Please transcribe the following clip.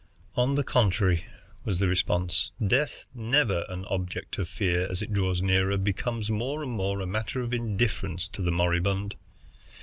"On the contrary," was the response, "death, never an object of fear, as it draws nearer becomes more and more a matter of indifference to the moribund.